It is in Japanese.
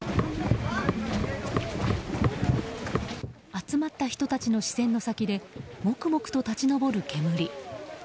集まった人たちの視線の先でもくもくと立ち上る煙。